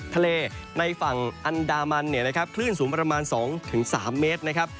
ทะเลในฝั่งอันดามันคลื่นสูงประมาณ๒๓เมตร